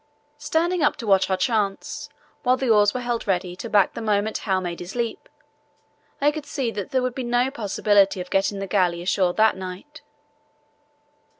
Standing up to watch our chance, while the oars were held ready to back the moment Howe had made his leap, I could see that there would be no possibility of getting the galley ashore that night.